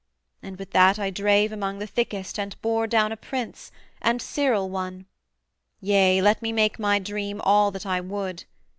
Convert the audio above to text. and with that I drave Among the thickest and bore down a Prince, And Cyril, one. Yea, let me make my dream All that I would.